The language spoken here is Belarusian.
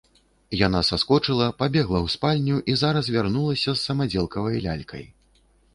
Яна саскочыла, пабегла ў спальню і зараз вярнулася з самадзелкавай лялькай.